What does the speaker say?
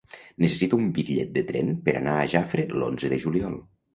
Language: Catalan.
Necessito un bitllet de tren per anar a Jafre l'onze de juliol.